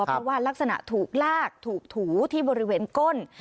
เพราะว่ารักษณะถูกลากถูกถูที่บริเวณก้น